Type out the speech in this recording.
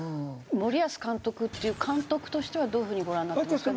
森保監督っていう監督としてはどういうふうにご覧になってますか？